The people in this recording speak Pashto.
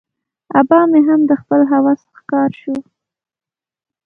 آبا مې هم د خپل هوس ښکار شو.